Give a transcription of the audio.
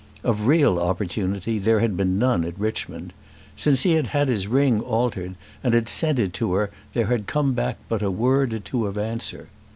Of real opportunity there had been none at Richmond. Since he had had his ring altered and had sent it to her there had come but a word or two of answer.